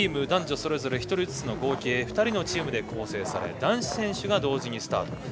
男女それぞれ１人ずつの合計２人のチームで構成され男子選手が同時にスタート。